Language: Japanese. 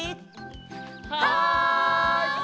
はい！